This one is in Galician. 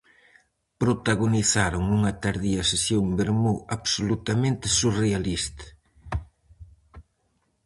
Protagonizaron unha tardía sesión vermú absolutamente surrealista.